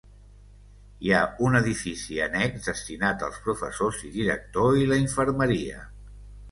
Hi ha un edifici annex destinat als professors i director i la infermeria.